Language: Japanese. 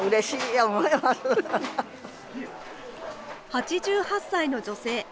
８８歳の女性。